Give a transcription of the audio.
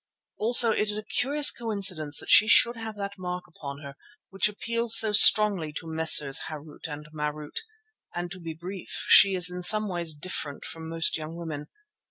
Also it is a curious coincidence that she should have that mark upon her which appeals so strongly to Messrs. Harût and Marût, and, to be brief, she is in some ways different from most young women.